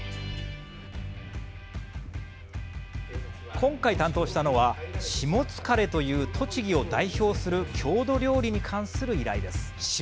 今回担当したのは「しもつかれ」という栃木を代表する郷土料理に関する依頼です。